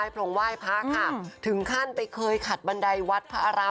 ผลิตถึงหวังโดรนักษณะ